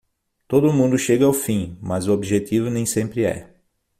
Todo mundo chega ao fim, mas o objetivo nem sempre é.